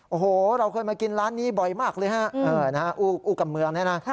โอ้โหเราเคยมากินร้านนี้บ่อยมากเลยฮะอู้กับเมืองเนี่ยนะ